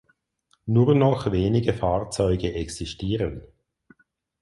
Nur noch wenige Fahrzeuge existieren.